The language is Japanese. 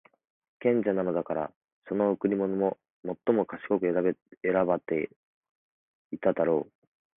賢者なのだから、その贈り物も最も賢く選ばていただろう。